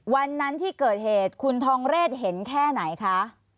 วันนั้นที่เกิดเหตุคุณทองเรศเห็นแค่ไหนคะ